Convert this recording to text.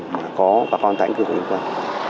có bà con tại nhà máy thượng tướng ương quan